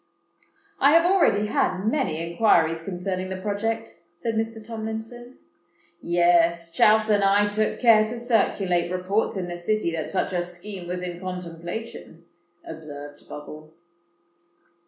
"I have already had many inquiries concerning the project," said Mr. Tomlinson. "Yes—Chouse and I took care to circulate reports in the City that such a scheme was in contemplation," observed Bubble.